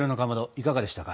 いかがでしたか？